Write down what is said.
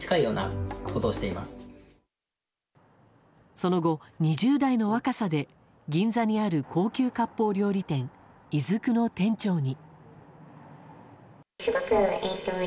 その後、２０代の若さで銀座にある高級割烹料理店いづくの店長に。